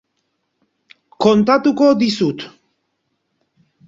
Kontatuko dizut.